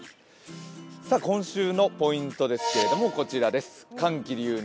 今週のポイントですけれども寒気流入